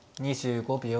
２５秒。